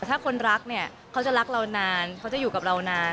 ถ้าคนรักเนี่ยเขาจะรักเรานานเขาจะอยู่กับเรานาน